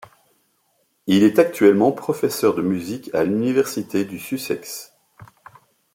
Il est actuellement professeur de musique à l'Université du Sussex.